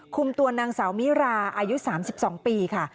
คุมตัวนางสาวมิราอายุ๓๒ปีค่ะ